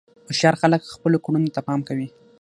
هوښیار خلک خپلو کړنو ته پام کوي.